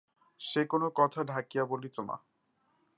সে কোনো কথা ঢাকিয়া বলিত না।